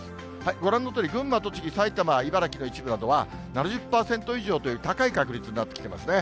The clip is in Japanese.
ご覧のとおり群馬、栃木、埼玉、茨城の一部などは、７０％以上という高い確率になってきてますね。